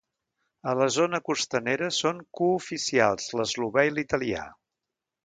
A la zona costanera són cooficials l'eslovè i l'italià.